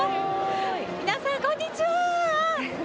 皆さん、こんにちは！